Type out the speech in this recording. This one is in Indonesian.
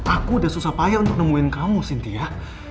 aku sudah susah payah untuk nemuin kamu cynthia